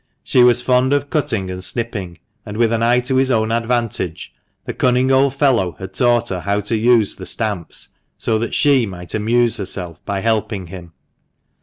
She was fond of cutting and snipping, and, with an eye to his own advantage, the cunning old fellow had taught her how to use the stamps, so that she might amuse herself by helping him.